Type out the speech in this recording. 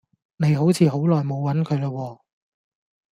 你好似好耐冇揾佢啦喎